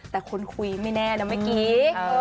แต่คนคุยไม่แน่นะเมื่อกี้